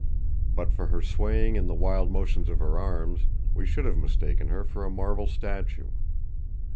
But for her swaying and the wild motions of her arms, we should have mistaken her for a marble statue.